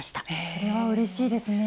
それはうれしいですね。